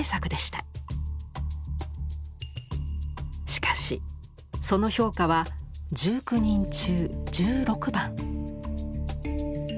しかしその評価は１９人中１６番。